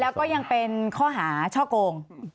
แล้วก็ยังเป็นข้อหาช่อโกง